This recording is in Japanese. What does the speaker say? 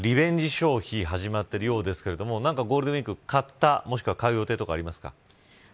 消費始まっているようですが何か、ゴールデンウイークに買ったもしくは買う予定とかありますか。